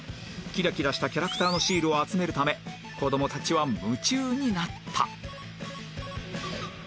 キラキラしたキャラクターのシールを集めるため子どもたちは夢中になった